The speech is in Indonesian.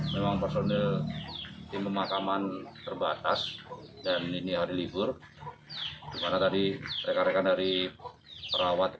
memang personil tim pemakaman terbatas dan ini hari libur dimana tadi rekan rekan dari perawat